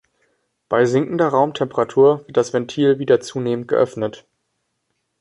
Bei sinkender Raumtemperatur wird das Ventil wieder zunehmend geöffnet.